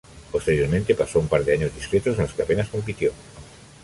Posteriormente pasó un par de años discretos, en los que apenas compitió.